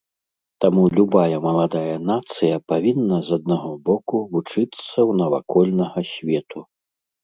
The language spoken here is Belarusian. Таму любая маладая нацыя павінна, з аднаго боку, вучыцца ў навакольнага свету.